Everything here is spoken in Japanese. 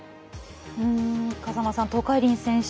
風間さん、東海林選手